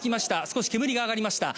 「少し煙が上がりました。